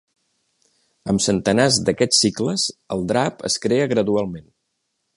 Amb centenars d'aquests cicles, el drap es crea gradualment.